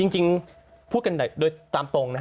จริงพูดกันโดยตามตรงนะ